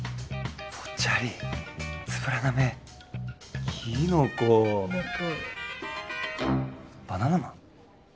ぽっちゃりつぶらな目きのこバナナマン？